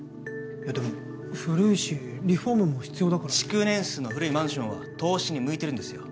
でも古いしリフォームも必要だからって築年数の古いマンションは投資に向いてるんですよ